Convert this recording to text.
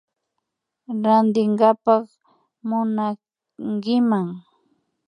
Rantinkapa munankiman